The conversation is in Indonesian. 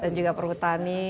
dan juga perhutani